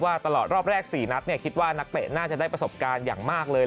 ตลอดรอบแรก๔นัดคิดว่านักเตะน่าจะได้ประสบการณ์อย่างมากเลย